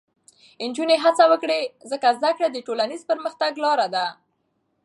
نجونې هڅه وکړي، ځکه زده کړه د ټولنیز پرمختګ لاره ده.